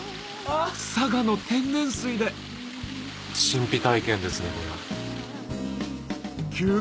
佐賀の天然水で神秘体験ですね。